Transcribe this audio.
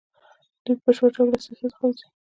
دوی په بشپړه توګه له سیاست څخه وځي.